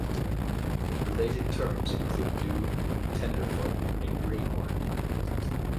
Related terms include dude, tenderfoot, and greenhorn.